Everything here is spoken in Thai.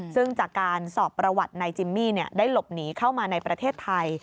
ซึ่งจากการสอบประวัตินายจิมมี่ได้หลบหนีเข้ามาในประเทศไทย